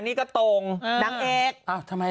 เป็นพันละวันเลย